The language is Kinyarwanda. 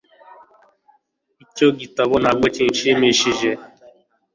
Icyo gitabo ntabwo kinshimishije